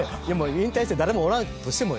引退して誰もおらんとしてもよ。